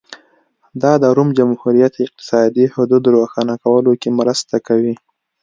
دا د روم جمهوریت اقتصادي حدود روښانه کولو کې مرسته کوي